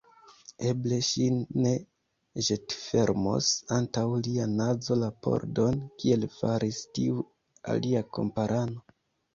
Eble ŝi ne ĵetfermos antaŭ lia nazo la pordon, kiel faris tiu alia kamparano.